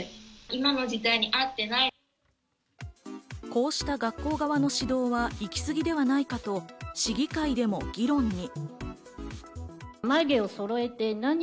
こうした学校側の指導は行き過ぎではないかと、市議会でも議論に。